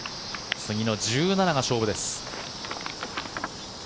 次の１７が勝負です。